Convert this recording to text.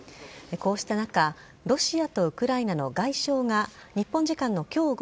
こうした中ロシアとウクライナの外相が日本時間の今日